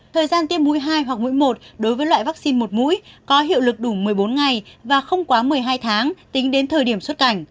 thời gian tiêm mũi hai hoặc mũi một đối với loại vaccine một mũi có hiệu lực đủ một mươi bốn ngày và không quá một mươi hai tháng tính đến thời điểm xuất cảnh